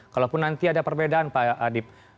kalaupun nanti ada perbedaan pak adip